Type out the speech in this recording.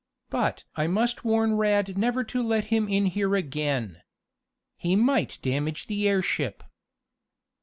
But I must warn Rad never to let him in here again. He might damage the airship."